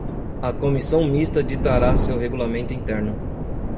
A Comissão Mista ditará seu regulamento interno.